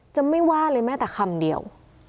จะไม่ว่าเลยแม้แต่คำเดียว